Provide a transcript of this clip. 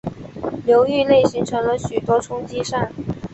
流域内形成了许多冲积扇。